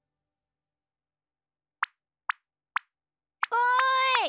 おい！